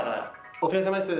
お疲れさまです。